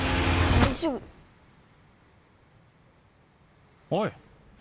大丈夫おい